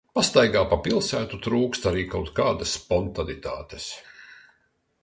Pastaigā pa pilsētu trūkst arī kaut kādas spontanitātes.